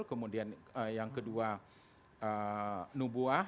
kemudian yang kedua nubuah